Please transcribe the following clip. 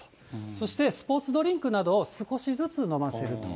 そしてスポーツドリンクなどを少しずつ飲ませると。